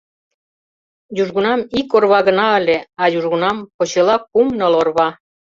Южгунам ик орва гына ыле, а южгунам — почела кум-ныл орва.